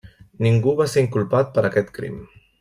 Ningú va ser inculpat per aquest crim.